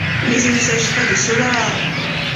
Mais il ne s’agit pas de cela…